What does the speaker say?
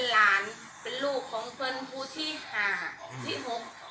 เป็นหลานเป็นลูกของฝนผู้ที่ห่าที่หก